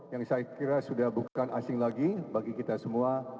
yang saya kira sudah bukan asing lagi bagi kita semua